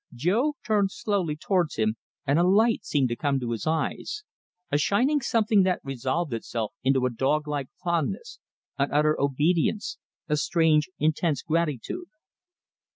Jo turned slowly towards him, and a light seemed to come to his eyes a shining something that resolved itself into a dog like fondness, an utter obedience, a strange intense gratitude.